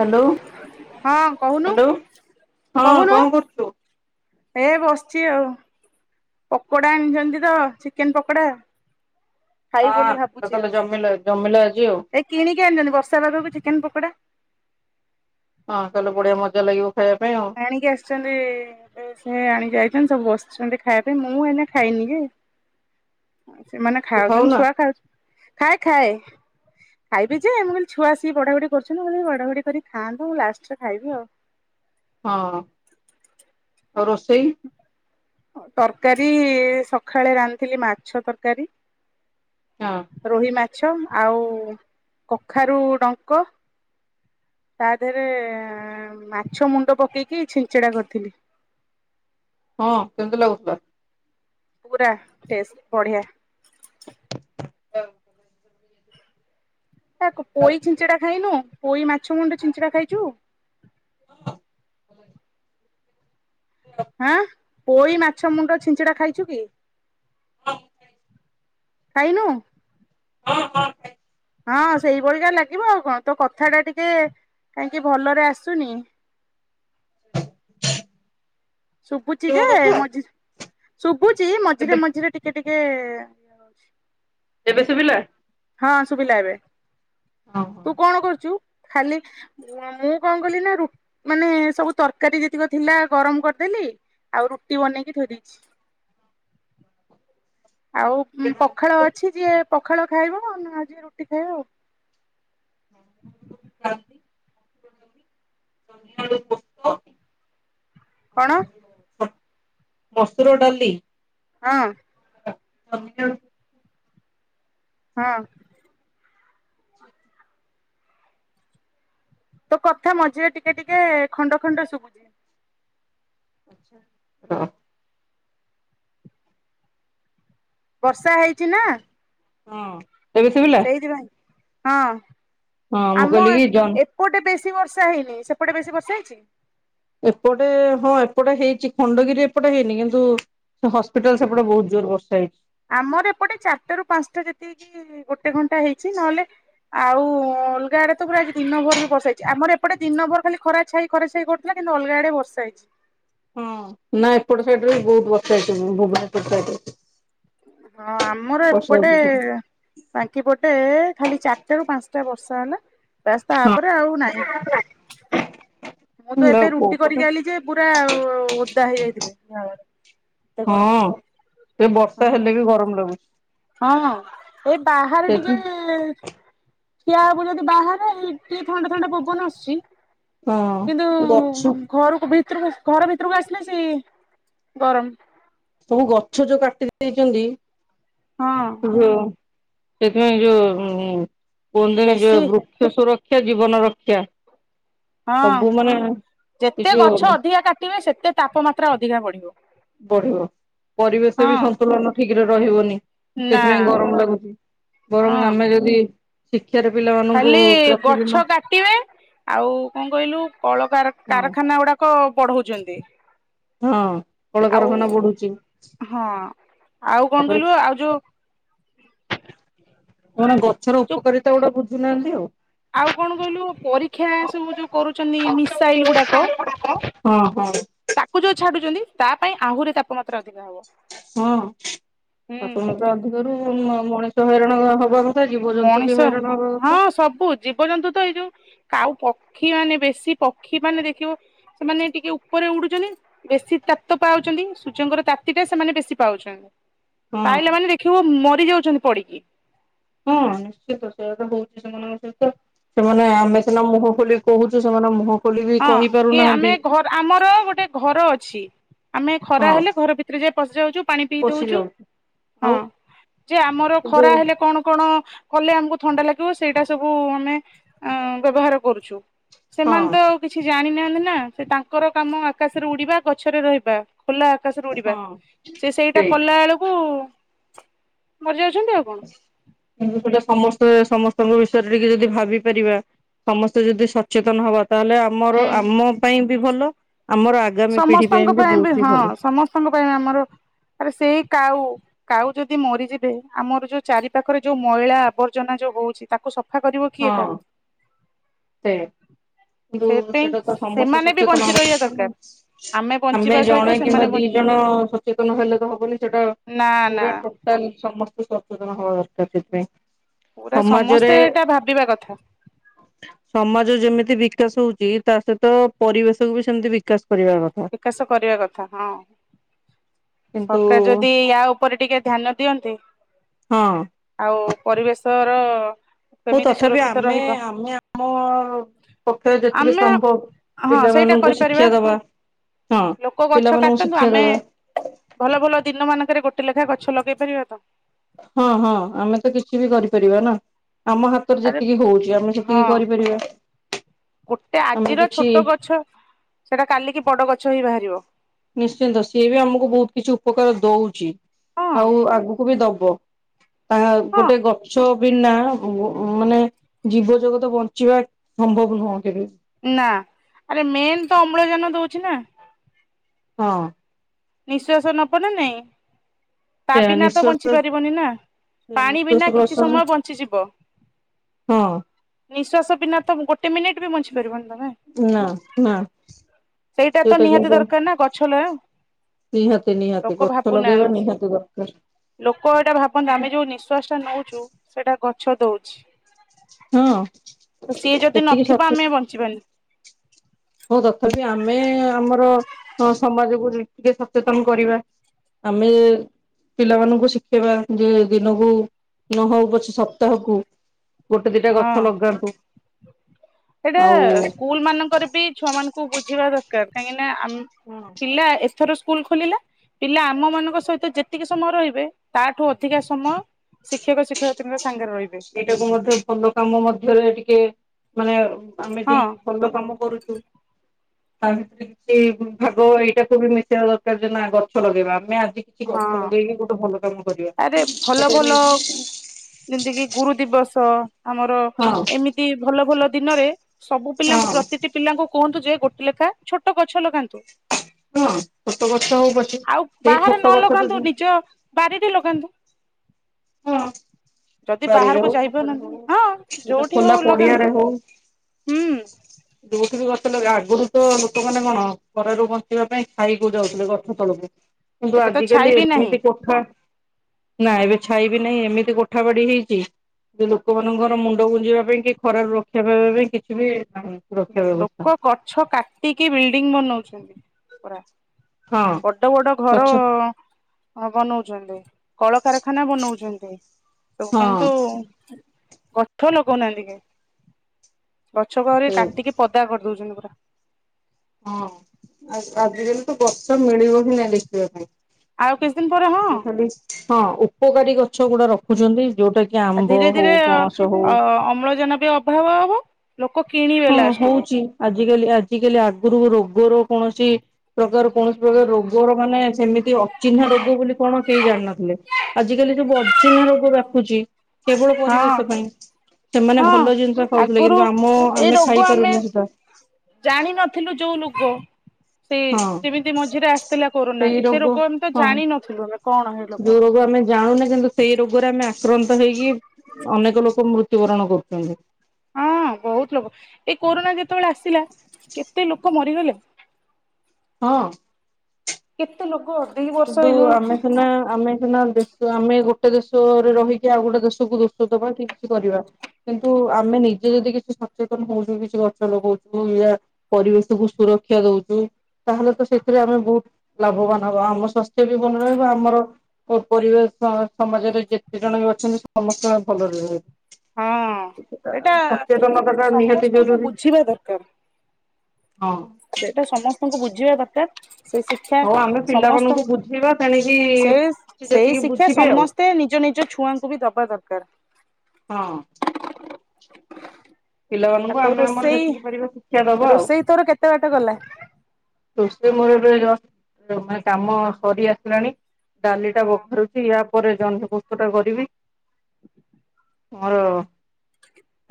Hello ହଁ କହୁନୁ hello ହଁ କହୁନୁ କଣ କରୁଛୁ। ଏ ବସିଛି ଆଉ ପକୋଡା ଆଣିଛନ୍ତି ତ ଚିକେନ ପକୋଡା। ଆ ଖାଇବି ବୋଲି ଭାବୁଛି ଆଉ ତାହେଲେ ଜମିଲା ଜମିଲା ଆଜି ଆଉ ଏ କିଣିକି ଆଣିଛନ୍ତି ବର୍ଷା ପାଗକୁ ଚିକେନ ପକୋଡା। ହଁ କଲୁ ବଢ଼ିଆ ମଜା ଲାଗି। ଆଣିକି ଆସିଛନ୍ତି ସେ ଆଣିକି ଆଇଛନ୍ତି। ସବୁ ବସିଛନ୍ତି ଖାଇବା ପାଇଁ ମୁଁ ଏଇନା ଖାଇନି ଯେ। ସେମାନେ ତୁ ଖାଉଛନ୍ତି ଖାଉନା ଛୁଆ ଖାଉଛନ୍ତି। ଖାଏ ଖାଏ ଖାଇବି ଯେ ମୁଁ କହିଲି ଛୁଆ ଆସିକି ବଢା ବଢି କରୁଛନ୍ତି ମୁଁ କହିଲି ବଢା ବଢି କରିକି ଖାଆନ୍ତୁ ମୁ ଲାଷ୍ଟରେ ଖାଇବି ଆଉ। ହଁ ଆଉ ରୋଷେଇ। ତରକାରୀ ସକାଳେ ରାନ୍ଧିଥିଲି ମାଛ ତରକାରୀ। ହଁ ରୋହି ମା। ମାଛ ଆଉ କଖାରୁ ଡଙ୍କ। ତା ଦେହରେ ମାଛ ମୁଣ୍ଡ ପକେଇକି ଛିଞ୍ଚିଡା କରିଥିଲି। ହଁ କେମତି ଲାଗୁଥିଲା। ପୁରା ଟେଷ୍ଟ ବଢ଼ିଆ। [inaudible] [unintelligible] ତା ପୋଇ ଛିଞ୍ଚଡା ଖାଇନୁ। ପୋଇ ମାଛ ମୁଣ୍ଡ ଛିଞ୍ଚଡା ଖାଇଛୁ। [inaudible] ହଁ ପୋଇ ମାଛ ମୁଣ୍ଡ ଛିଞ୍ଚଡା ଖାଇଛୁ କି। ହ। ଖାଇନୁ। ହଁ ହଁ। ହଁ ସେଇଭଳିିକା ଲାଗିବ ଆଉ କଣ ତୋ କଥା ଟା ଟିକେ କାହିଁକି ଭଲରେ ଆସୁନି। [inaudible] ଶୁଭୁଛିି ଖାଇଥିଲି ଯେ ମୋ କଥା ମଝି। ଶୁଭ। ଶୁଭୁଛି ଏବେ ମଝିରେ ମଝିରେ ଟିକେ ଟିକ। ହେ। ଏବେ ଶୁଭିଲା। ହଁ ଶୁଭିଲା ଏବେ। ହଁ ହଁ। ତୁ କଣ କରୁଛୁ? ଖାଲି ମୁଁ କଣ କଲି ନା ର ମାନେ ସବୁ ତରକାରୀ ଯେତିକ ଥିଲା ଗରମ କରିଦେଲି ଆଉ ରୁଟି ବନେଇକି ଥୋଇ ଦେଇଛି। ଆଉ ପଖାଳ ଅଛି ଯିଏ ପଖାଳ ଖାଇବ ଆମେ ଆଜି ରୁଟି ଖାଇବା ଆଉ। ନ୍ତି [inaudible] [inaudible] ହଉ କଣ [inaudible] ମସୁର ଡାଲି। ହଁ। [inaudible] ହଁ। ତୋ କଥା ମଝିରେ ଟିକେ ଟିକେ ଖଣ୍ଡ ଖଣ୍ଡ ଶୁଭୁଚି। ଛା ହ [inaudible] ବର୍ଷା ହେଇ ଅଛି ନା। ହଁ। ସେଇଥି ପାଇଁ। ହଁ। ହଁ ମୁଁ କହିଲି କି ଯନ୍ ବେଶି ବର୍ଷା ହେଇନି ସେପଟେ ବେଶି ବର୍ଷା ହେଇଛି? ଏପଟେ ହଁ ଏପଟେ ହେଇଛି ଖଣ୍ଡଗିରି ଏପଟେ ହେଇନି କିନ୍ତୁ ସେ ହସ୍ପିଟାଲ ସେପଟେ ବହୁତ ଜୋର ବର୍ଷା ହେଇଛି। ଆମର ଏପଟେ ଚାରିଟା ରୁ ପାଞ୍ଚଟା ଯେତିକି ଗୋଟେ ଘଣ୍ଟା ହେଇଛି ନହେଲେ ଆଉ ଅଲଗା ଆଡେ ତ ପୁରା ଆଜି ଦିନ ଭର ବି ବର୍ଷା ହେଇଛି ଆମର ଏପଟେ ଦିନ ଭର ଖାଲି ଖରା ଛାଇ ଖରା ଛାଇ କରୁଥିଲା କିନ୍ତୁ ଅଲଗା ଆଡେ ବର୍ଷା ହେଇଛି। ହଁ ନା ଏପଟ ସାଇଡରେ ବି ବହୁତ ବର୍ଷା ହେଇଛି ଭୁବନେଶ୍ୱର ସାଇଡରେ। ହଁ ଆମର ବର୍ଷା ଏପଟେ ହେଇଛି। ବାଙ୍କିପଟେ ଖାଲି ଚାରିଟା ରୁ ପାଞ୍ଚଟା ବସ ଶା ହେଲା। ରାସ୍ତା ୟା ପରେ ଆଉ ନହିଁ। ମୁଁ ତ ଲୋ ଏବେ ରୁଟି କୋଉପଟେ କରିକି ଆଇଲି ଯେ ପୁରା ଓଦା ହେଇଯାଇଥିଲି ଏତେ ହଁ ସେ ବର୍ଷା ଗରମ ହେଲେ ବି ଗରମ ଲାଗୁଛି। ହ ହଁ ଏ ବାହାରେ ସେଇଥି ଟିକେ ଠିଆ ହବୁ ଯଦି ବାହାରେ ହେଇ ଟିକେ ଥଣ୍ଡା ଥଣ୍ଡା ପବନ ଆସୁଛି। କିନ୍ତୁ ହଁ ଗଛ ଘରକୁ ବି ଘର ଭିତରକୁ ଆସିଲେ ସେଇ ଗରମ। ସବୁ ଗଛ ଯୋଉ କାଟି ଦେଇେଇଛନ୍ତି। ହଁ। ସେଇଥି ପାଇଁ ଯଉ କୁହଁନ୍ତିନି ବେଶୀ ଯଉ ବୃକ୍ଷସୁରକ୍ଷା ସେ ଜୀବନ ରକ୍ଷା। ହଁ ସବୁ ମାନେ ଏ ଯେତେ ଗଛ ଯୋଉ ଅଧିକା କାଟିବେ ସେତେ ତାପମାତ୍ରା ଅଧିକା ବଢିବ। ବଢିବ ପରିବେଶ ବି ହଁ ସନ୍ତୁଳନ ଠିକ ରେ ରହିବନି ନା ସେଥିପାଇଁ ଗରମ ଲାଗୁଛି ବରଂ ହଁ ଆମେ ଯଦି ଶିକ୍ଷାରେ ପିଲାମାନଙ୍କୁ ଖାଲି ପ୍ରତିଦିନ ଗଛ କାଟିବେ ଆଉ କଣ କଇଲୁ କଳକାରଖା ହଁ କାରଖାନା ଗୁଡାକ ବଢଉଚନ୍ତି। ହଁ। ଆଉ କଳକାରଖାନା ବଢୁଛି ହଁ ଆଉ କଣ ତାପରେ କଇଲୁ ଆଉ ଯୋଉ କଣ ଗଛର ଯୋଉ ଉପକାରିତା ଗୁଡା ବୁ ବୁଝୁ ନାନ୍ତି ଆଉ। ଆଉ କଣ କଇଲୁ ପରୀକ୍ଷା ସବୁ ଯୋଉ କରୁଚନ୍ତି ହଁ ମିସାଇଲ ଗୁଡାକ ହଁ [inaudible] ତାକୁ ଯୋଉ ଛାଡୁଚନ୍ତି। ତା ପାଇଁ ଆହୁରି ତାପମାତ୍ରା ଅଧିକ ହେବ। ହଁ ତାପମାତ୍ରା ଅଧିକରୁ ମ ମଣିଷ ହଇରାନ ହବ ହବାକୁ ମଣିଷ ହଁ ସବୁ ଜୀବଜନ୍ତୁ ତ ଏଇ ଯୋଉ କାଉ ପକ୍ଷୀ ମାନେ ବେଶୀ ପକ୍ଷୀ ମାନେ ଦେଖିବ ସେମାନେ ଟିକେ ଉପରେ ଉଡୁଚନ୍ତି। ବେଶୀ ତାପ୍ତ ପାଉଚନ୍ତି ସୂର୍ଯ୍ୟଙ୍କର ତାତି ଟା ସେମାନେ ବେଶୀ ପାଉଚନ୍ତି। ହଁ ପାଇଲା ମାନେ ଦେଖିବୁ ମଅ ମରି ଯାଉଚନ୍ତି ପଡିକି। ହଁ ନିଶ୍ଚିତ ସେଇଆ ତ ହଉଚି ସେମାନଙ୍କ ସହିତ ସେମାନେ ଆମେ ସିନା ମୁହଁ ଖୋଲି କହୁଚୁ ସେମାନେ ମୁହଁ ଖୋଲି ବି ହଁ କହି କିଏ ଆମେ ପାରୁନାହାନ୍ତି। ଘର ଆମର ଗୋଟେ ଘର ଅଛି। ଆମେ ଖରା ହଁ ହେଲେ ଘର ଭିତରେ ଯାଇ ପଶିଯାଉଚୁ ପାଣି ପିଇ ପଶି ଦଉଚୁ। ଯାଉଛି ହଁ ଆଉ ଯେ ଆମର କିନ୍ତୁ ଖରା ହେଲେ କଣ କଣ? କଲେ ଆମକୁ ଥଣ୍ଡା ଲାଗିବ ସେଇଟା ସବୁ ଆମେ ଅଁ ବ୍ୟବହାର କରୁଛୁ। ସେମାନେ ହଁ ତ କିଛି ଜାଣି ନାହାନ୍ତି ନା ସେ ତାଙ୍କର କାମ ଆକାଶରେ ଉଡିବା ଗଛରେ ରହିବା। ଖୋଲା ଆକାଶରେ ଉଡିବା ହଁ। ସେ ସେଇଟା ସେଇ କଲା ବେଳକୁ ମରି ଯାଉ ଉଁ ସେଟା ସମସ୍ତ ତେଏ ସମସ୍ତଙ୍କ ବିଷୟରେ ଟିକେ ଯଦି ଭାବି ପାରିବା ସମସ୍ତେ ଯଦି ସଚେତନ ହବା। ତାହେଲେ ଆମର ହୁଁ। ଆମ ପାଇଁ ବି ଭଲ ଆମର ଆଗାମୀ ପିଢି ସମସ୍ତଙ୍କ ପାଇଁ ବି ବହୁତ ହି ହଁ ଭଲ ସମସ୍ତଙ୍କ ପାଇଁ ଆମର ଆବେ ସେଇ କାଉ। କାଉ ଯଦି ମରିଯିବେ ଆମର ଯୋଉ ଚାରି ପାଖରେ ଯୋଉ ମଇଳା ଆବର୍ଜନା ଯୋଉ ହଉଚି ତାକୁ ସ ସଫା କରିବ କିଏ ହଁ ତାହେଲେ ସେଇଆ। [inaudible] କିନ୍ତୁ ସେଇଥ୍ ପାଇଁ ସେଇଟା ତ ସମସ୍ତେ ସେମାନେ ବି ସଚେତନ ବଞ୍ଚି ହବା ରହିବା ଦରକାର। ନା। ଆମେ ବଞ୍ଚିବା ସହିତ ଜଣେ କିମ୍ବା ସେମାନେ ବଞ୍ଚି ଦି ଜଣଅ ସଚେତନ ହେଲେ ତ ହବନି ସେଟା ନା ନା ପୁରା ଟୋଟାଲ୍ ସମସ୍ତେ ସଚେତନ ହବା ଦରକାର ସେଇଥିପାଇଁ ପୁରା ସମସ୍ତେ ଏଇଟା ଭାବ [inaudible] ସମାଜ ଯେମିତି ଦି ବିକାଶ ହଉଛି ତା ସହିତ ପରିବେଶକୁ ବି ସେମିତି ବିକାଶ କରିବା କଥା। ବିକାଶ କରିବା କଥା ହଁ। କିନ୍ତୁ ସରକାର ଯଦି ୟା ଉପରେ ଟିକେ ଧ୍ୟାନ ଦିଅନ୍ତେ ହଁ ଆଉ ପରିବେଶ୍ ଶର ହୋଉ ତଥାପି ଆମେ ଆମେ ଆମ ପକ୍ଷରେ ଯେତିକି ଆମେ ସମ୍ଭବ ହଁ ସେଇଟା ପିଲାମାନଙ୍କୁ କରିପାରିବା ଶିକ୍ଷା ଦବା ହଁ ଲୋକ ଗଛ ପିଲାମାନଙ୍କୁ କାଟନ୍ତୁ ଶିକ୍ଷା ଆମେ ଦବା। ଭଲ ଭଲ ଦିନମାନଙ୍କରେ ଗୋଟେ ଲେଖା ଗଛ ଲଗେଇ ପାରିବାତ। ହଁ ହଁ ଆମେ ତ କିଛି ବି କରିପାରିବା ନା। ଆମ ହାତରେ ଆରେ ଯେତିକି ହଉଛି ଆମେ ସେତିକି ହଁ କରିପାରିବା ଗୋଟେ ଆମେ ଆଜିର କିଛି ଛୋଟ ଗଛ ସେଟା କାଲିକି ବଡ ଗଛ ହେଇ ବାହାରି ରିବ ନିଶ୍ଚିନ୍ତ ସିଏ ବି ଆମକୁ ବୋହୁତ କିଛି ଉପକାର ଦୋଉଚି। ହଁ ଆଉ ଆଗୁକୁ ବି ଦ ବ ତାହା ହଁ ଗୋଟେ ଗଛ ବିନା ଉଁ-ମାନେ ଜୀବଜଗତ ବଞ୍ଚିବା ସମ୍ଭବ ନୁହଁ କେବେ। ନା ଆରେ ମେନ୍ ତ ଅମ୍ଳଜାନ ଦୋଉଚି ନା। ହଁ। ନିଶ୍ଵାସ ନବ ନା ନାଇଁ। ତା ସେ ବିନା ତ ବଞ୍ଚି ନିଶ୍ଵାସ ପାରିବନି ନା ପାଣି ବିନା ନିଶ୍ଵାସ କିଛି ପ୍ରଶ୍ଵାସ ସମୟ ବଞ୍ଚିଯିବ ହଁ ନିଶ୍ଵାସ ବିନା ତ ଗୋଟେ ମିନିଟ୍ ବି ବଞ୍ଚିପାରିବନି। ବାବା ନା ନା ସେଇଟା ତ ନିହାତି ଦରକାର ନା ଗଛ ଲଗା। ନିହାତି ନିହାତି ଲୋକ ଗଛ ଲଗେଇବା ଭାବୁନାହାନ୍ତି ନିହାତି ଦରକାର। ଲୋକ ଏଇଟା ଭାବନି ଆମେ ଯୋଉ ନିଃଶ୍ଵାସ ଟା ନୋଉଚୁ ସେଟା ଗଛ ଦୋଉଛି। ହଁ ଯଦି ଏତିକି ନଥିବ ଆମେ ସଫିସେ ବଞ୍ଚିବାନି ହଁ ତଥାପି ଆମେ ଆମର ସମାଜକୁ ଟିକେ ସଚେତନ କରିବା ଆମେ ପିଲାମାନଙ୍କୁ ଶିଖେଇବା ଯେ ଦିନକୁ ନହୋଉ ପଛେ ସପ୍ତାହକୁ ଗୋଟେ ଦିଟା ଗଛ ଲଗାନ୍ତୁ। ଏଇଟା ଆଉ ସ୍କୁଲମାନଙ୍କରେ ବି ଛୁଆମାନ ଙ୍କୁ ବୁଝେଇବା ଦରକାର୍ କାହିଁକି ନା ଆମ ପିଲା ଏ ଏଥର ସ୍କୁଲ ଖୋଲିଲା ପିଲା ଆମମାନଙ୍କ ସହିତ ଯେତିକି ସମୟ ରହିବେ ତାଠୁ ଅଧିକା ସମୟ ଶିକ୍ଷକ ଶିକ୍ଷୟତ୍ରୀଙ୍କ ସ ଏଇଟାକୁ ମଧ୍ୟ ଭଲ କାମ ମଧ୍ୟରେ ଟିକେ ମାନେ ଆମେ ବି ହଁ ଭଲ କାମ କରୁଚୁ ତା ଭିତରେ କିଛି ଭାଗ ଏଇଟାକୁ ବି ମିଶେଇବା ଦରକାର ଯେ ନା ଗଛ ଲଗେଇବା ମ୍ୟାମ୍ କିଛି ହଁ। ଗଛ ଲଗେଇକି ଗୋଟେ ଭଲ କାମ କରିବା ଆରେ ଭଲ ସେଟା ଭଲ ବି ଯେମିତି କିି ଗୁରୁ ଦିବସ। ଆମର ଏମିତି ଭଲ ଭଲ ଦିନରେ ସବୁ ପିଲାଙ୍କୁ ହଁ। ପ୍ରତିଟି ପିଲାଙ୍କୁ କୁହନ୍ତୁ ଯେ ଗୋଟେ ଲେଖା ଛୋଟ ଗଛ ଲଗାନ୍ତୁ ହଁ ଛୋଟ ବଛ ହଉ ପଛି ଆଉ ସେଇ ବାହାରେ ନ ଛୋଟ ବଛ ଲଗାନ୍ତୁ ନିଜ ବାାରିରେ ଲଗାନ୍ତୁ ବ ହଁ ଯଦି ବାରିରେ ବାହାରକୁ ହଉ ଛାତରେ ଯାଇପାରୁନାହାନ୍ତି ହଉ ହଁ ସେଟା ଯୋଉଠି ହଉ ଖୋଲା ଲଗାନ୍ତୁ ପଡିଆରେ ହୁଁ ଯୋଉଠ ବି ଗଛ ଲ ଆଗରୁ ତ ଲୋକମାନେ କଣ ଘରାରୁ ବଞ୍ଚିବା ପାଇଁ ଖାଇକକୁ ଯାଉଥିଲେ ଗଛ ତଳକୁ କିନ୍ତୁ ଏବେ ତ ଛାଇ ଆଜିିକାଲି ବି ନାହିଁ ଏମିତି କଖା ନା ଏବେ ଛାଇ ବିି ନାହିଁ ଏମିତି ଗୋଠା ବାଡି ହେଇଛି ଯେ ଲୋକମାନଙ୍କର ମୁଣ୍ଡ ଗୁଞ୍ଜିବା ପାଇଁ କି ଖରାରୁ ରକ୍ଷା ପାଇବା ପାଇଁ କିଛି ବି ନାହିଁ ସୁରକ୍ଷା ବ୍ୟବସ୍ଥା ଲୋକ ଗଛ କାଟିକି ବିଲ୍ଡିଂ ବନଉଛନ୍ତି ପୁରା ହଁ ବଡ ବଡ ଘର ଗଛ ହଁ ବନଉଛନ୍ତି କଳକାରଖାନା ବନଉଛନ୍ତି ହ ସବୁ ହଁ କିନ୍ତନ୍ତୁ ଗଛ ଲଗଉନାହାନ୍ତି କେ ଗଛକୁ ଆହୁରି ସେ କାଟିକି ପଦା କରିଦଉଛନ୍ତି [inaudible] ହଁ ଆଜିକାଲି ତ ବର୍ଷା ମିଳିବ ହିଁ ନାଁ ଲେଖିବା ପାଇଁ ଆଉ କିଛି ଦିନ ପରେ ହଁ ସେ ଆଉ ଖାଲି ହଁ ଉପକାରୀ ଗଛ ଗୁଡା ରଖୁଛନ୍ତି ଯୋଉଟା କି ଆ ଆମ୍ବ ଧୀରେ ହଉ ଧୀରେ ପଣସ ହଉ ଅ ଅମ୍ଳଜାନ ବି ଅଭାବ ହବ ଲୋକ କିଣିବେ ହଁ ଲାଷ୍ଟକୁ ହଉଛି ଆଜି ଆଜି କାଲି ଆଜିିକାଲି ଆଗରୁ ରୋଗର କୌଣସି ପ୍ରକାର କୌଣସି ପ୍ରକାର ରୋଗର ମାନେ ସେମିତି ଅଚିହ୍ନା ରୋଗ ବୋଲି କଣ କେହି ଜାଣିିନଥିଲେ ଆଜି କାଲି ସବୁ ଅଚିହ୍ନା ରୋଗ ବକୁଛି କେବଳ ହଁ ପରିବେଶ ପାଇଁ ସେମାନେ ହଁ ଭଲ ଜିନିଷ ଖାଉଥିଲେ ଆଗରୁ କିନ୍ତୁ ଆମ ଏଇ ରୋଗ ଆମେ ଖାଇପାରୁନୁ ସେଟା ଜାଣିିନଥିଲୁ। [inaudible] ଲୋକ? ସେଇ ହଁ ଯେମିତି ମଝିରେ ଆସିଥିଲା କୋରୋନା ସେଇ ସେ ରୋଗ ଆମେ ତ ହଁ ଜାଣିିନଥିଲୁ ଆମେ କଣ ହେ ରୋଗ। ଯୋଉ ଆମେ ଜାଣୁନେ କିନ୍ତୁ ସେଇ ରୋଗରେ ଆମେ ଆକ୍ରାନ୍ତ ହେଇକି ଅନେକ ଲୋକ ମୃତ୍ୟୁବରଣ କରୁଛନ୍ତି। ହଁ ବହୁତ ଲୋକ, ଏଇ କୋରୋନା ଯେତେବେଳେ ଆସିଲା କେତେ ଲୋକ ମରିଗଲେ। ହଁ। କେତ ଲୋକ? ଦି ବର୍ଷ କିନ୍ତୁ ଏଇ ଯୋଉ ଆମେ ସିନା ଆମେ ସିନା ଦେସ ଆମେ ଗୋଟେ ଦେଶରେ ରହିକି ଆଉ ଗୋଟେ ଦେଶକୁ ଦୋଷ ଦବା କି କିଛି କରିବ। କିନ୍ତୁ ଆମେ ନିଜେ ଯଦି କିଛି ସଚେତନ ହଉଛୁ କିଛି ଗଛ ଲଗାଉଛୁ ପରିବେଶକୁୁ ସୁରକ୍ଷା ଦଉଛୁ ତାହେଲେ ତ ସେଥିରେ ଆମେ ବହୁତ ଲାଭବାନ ହବା। ଆମ ସ୍ୱାସ୍ଥ୍ୟ ବି ଭଲ ରହିବ, ଆମର ପରିବେଶ ସମାଜରେ ଯେତେ ଜଣ ବି ଅଛନ୍ତି ସମସ୍ତେ ଭଲରେ ରହିବେ। ହଁ, ଏଇଟା ସଚେତନତା ଟା ନିହାତି ସମସ୍ତଙ୍କୁ ଜରୁରୀ ବୁଝିବା ଦରକାର। ହଁ। ସେଇଟା ସମସ୍ତଙ୍କୁ ବୁ ଯିବା ଦରକାର ସେ ଶିକ୍ଷା ହଉ ଆମେ ସମସ୍ତ, ପିଲାମାନଙ୍କୁ ବୁଝେଇବା ତେଣିକି ସେ ସେ ସେଇ ଯେତିକି ଶିକ୍ଷା ବୁଝିବେ ଆଉ ସମସ୍ତେ ନିଜ ନିଜ ଛୁଆଙ୍କୁ ବି ଦବା ହଁ। ଦରକାର। ଆଉ ପିଲାମାନଙ୍କୁ ତୋ ଆମେ ଆମର ରୋଷେଇ, ଯେତିକି ପାରିବା ଶିକ୍ଷା ଦବା ଆଉ ରୋଷେଇ ତୋର କେତେ ବାଟ ଗଲା? ରୋଷେଇ ମୋରେ କାମ ସରି ଆସିଲାଣି। ଡାଲି ଟା ହଁ ବଘାରୁଛି, ୟା ପରେ ଜହ୍ନି ପୋସ୍ତ ଟା କରିବି। ମୋର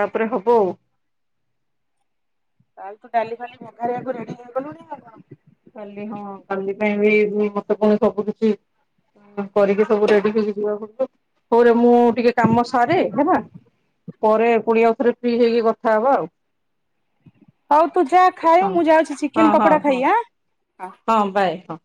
ତାପରେ ହବ ଆଉ। ତାହେଲେ ତୁ ଡାଲି ଖାଲି ମେଘାାରଆକୁ ରେଡି ହେଇଗଲୁଣିି ନା କଣ? କାଲି ହଁ କାଲି ପାଇଁ ବି ମତେ ପୁଣି ସବୁ କିଛି କରିକି ସବୁ ରେଡି ହେଇକି ଯିବାକୁ ମୁଁ ଟିକେ କାମ ସାରେ ହେଲା, ପରେ ପୁଣି ଆଉ ଥରେ ଫ୍ରି ହେଇକି କଥା ହବ ଆଉ। ହଉ ତୁ ଯାହା ଖାଇ ହଁ ମୁଁ ଯାଉଛି ହଁ ଚିକେନ ହଁ ପକୋଡା ହଁ ଖାଇ ଆଁ। ହଁ ବାଏ, ହଁ।